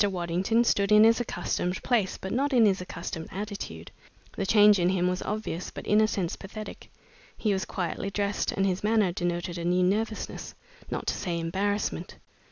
Waddington stood in his accustomed place but not in his accustomed attitude. The change in him was obvious but in a sense pathetic. He was quietly dressed, and his manner denoted a new nervousness, not to say embarrassment.